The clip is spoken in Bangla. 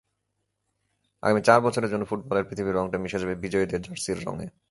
আগামী চার বছরের জন্য ফুটবলের পৃথিবীর রংটা মিশে যাবে বিজয়ীদের জার্সির রঙে।